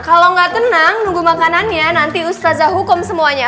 kalau nggak tenang nunggu makanannya nanti ustazah hukum semuanya